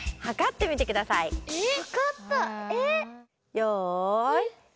よい。